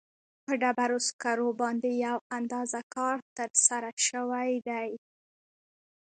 په ډبرو سکرو باندې یو اندازه کار ترسره شوی دی.